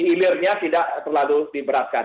kemudian di ilirnya tidak terlalu diberatkan